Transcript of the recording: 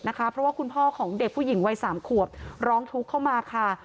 เพราะว่าคุณพ่อของเด็กผู้หญิงวัย๓ขวบร้องทุกข์เข้ามาค่ะ